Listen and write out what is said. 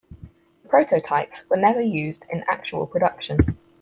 The prototypes were never used in actual production.